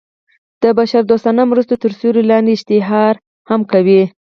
د بشر دوستانه مرستو تر سیورې لاندې اشتهار هم کوي.